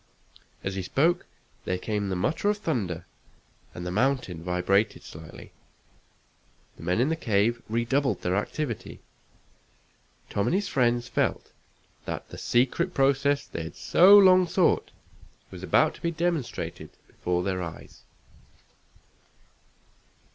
As he spoke there came the mutter of thunder, and the mountain vibrated slightly. The men in the cave redoubled their activity. Tom and his friends felt that the secret process they had so long sought was about to be demonstrated before their eyes.